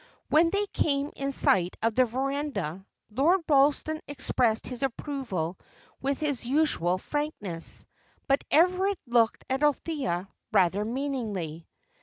When they came in sight of the verandah, Lord Ralston expressed his approval with his usual frankness, but Everard looked at Althea rather meaningly.